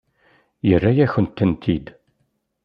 Yerra-yakent-tent-id.